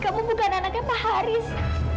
kamu bukan anaknya pak haris